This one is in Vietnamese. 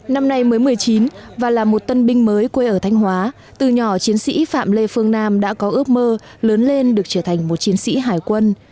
năm nay mới một mươi chín và là một tân binh mới quê ở thanh hóa từ nhỏ chiến sĩ phạm lê phương nam đã có ước mơ lớn lên được trở thành một chiến sĩ hải quân